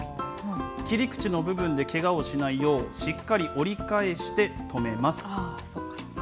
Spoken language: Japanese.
切り口の部分でけがをしないよう、しっかり折り返して留めます。